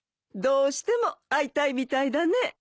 どうしても会いたいみたいだね。